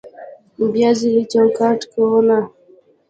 بیا ځلې چوکاټ کوونه